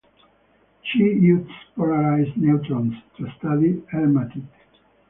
She used polarised neutrons to study hematite.